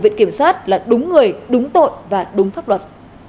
viện kiểm sát là đúng người đúng tội và đúng pháp luật